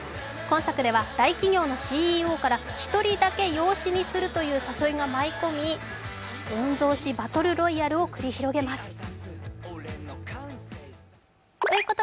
今作では大企業のＣＥＯから１人だけ養子にするという誘いが舞い込み御曹司バトルロイヤルを繰り広げます。